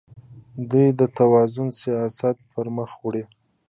دوی د توازن سیاست پرمخ وړي.